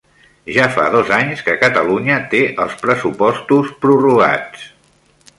Ja fa dos anys que Catalunya té els pressupostos prorrogats